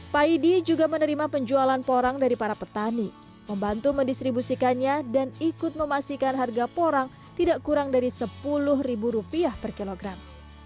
paidi juga menerima penjualan porang dari para petani membantu mendistribusikannya dan ikut memastikan harga porang tidak kurang dari sepuluh rupiah per kilogram